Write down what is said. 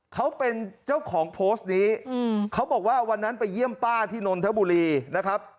เขาเป็นเจ้าของโพสต์นี้เขาบอกว่าวันนั้นไปเยี่ยมป้าที่นนทบุรีนะครับ